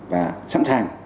và sẵn sàng